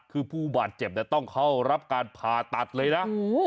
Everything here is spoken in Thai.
คือผู้บาดเจ็บต้องเข้ารับการผ่าตัดเลยนะ